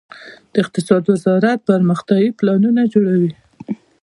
د اقتصاد وزارت پرمختیايي پلانونه جوړوي